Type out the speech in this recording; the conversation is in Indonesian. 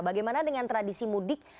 bagaimana dengan tradisi mudik